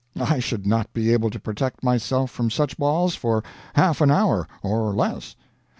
I should not be able to protect myself from such balls for half an hour, or less.